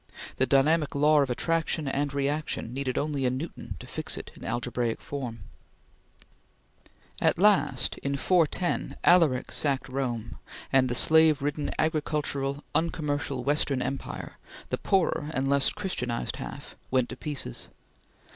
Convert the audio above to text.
The dynamic law of attraction and reaction needed only a Newton to fix it in algebraic form. At last, in 410, Alaric sacked Rome, and the slave ridden, agricultural, uncommercial Western Empire the poorer and less Christianized half went to pieces.